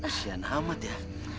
kasihan amat ya